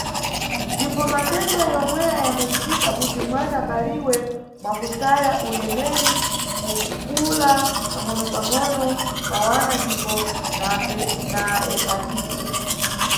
Ndipo matenda yomweya yambacitisa kuti mwana abaliwe mwakusaya ulemeri, kukula pangʼonopangʼono kwa wana ndipo na hepatite.